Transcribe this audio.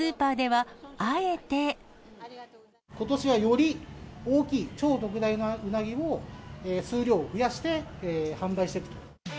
ことしはより大きい、超特大のうなぎを、数量を増やして販売していると。